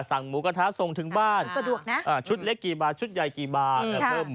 สั่งหมูกระทะส่งถึงบ้านชุดเล็กกี่บาทชุดใหญ่กี่บาท